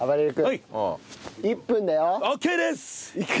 はい！